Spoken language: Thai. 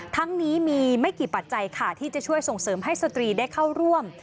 ทั้งนี้มีไม่กี่ปัจจัยค่ะที่จะช่วยส่งเสริมให้สตรีได้เข้าร่วม